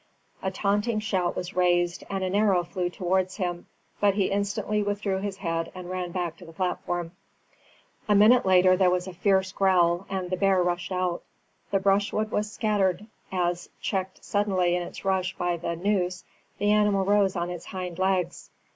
A taunting shout was raised and an arrow flew towards him, but he instantly withdrew his head and ran back to the platform. A minute later there was a fierce growl and the bear rushed out. The brushwood was scattered as, checked suddenly in its rush by the noose, the animal rose on its hind legs.